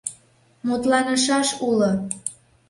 Мутланышаш уло!